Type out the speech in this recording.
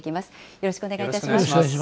よろしくお願いします。